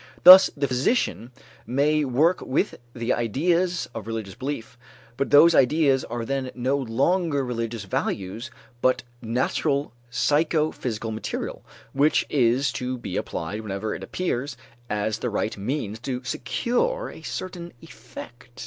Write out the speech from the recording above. Thus the physician may work with the ideas of religious belief, but those ideas are then no longer religious values but natural psychophysical material, which is to be applied whenever it appears as the right means to secure a certain effect.